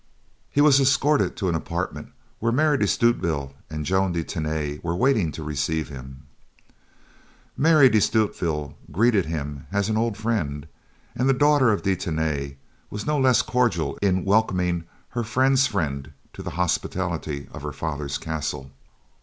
He was escorted to an apartment where Mary de Stutevill and Joan de Tany were waiting to receive him. Mary de Stutevill greeted him as an old friend, and the daughter of de Tany was no less cordial in welcoming her friend's friend to the hospitality of her father's castle.